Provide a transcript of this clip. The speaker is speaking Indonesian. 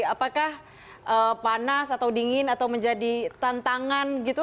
apakah panas atau dingin atau menjadi tantangan gitu